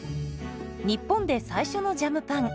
日本で最初のジャムパン。